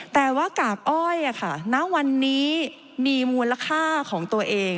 แต่ว่ากากอ้อยณวันนี้มีมูลค่าของตัวเอง